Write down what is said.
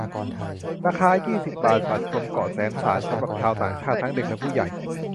ราคา ยี่สิบ บาท บัตรชมเกาะแสมสารสำหรับชาวต่างชาติทั้งเด็กและผู้ใหญ่